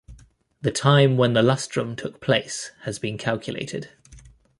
The time when the lustrum took place has been calculated.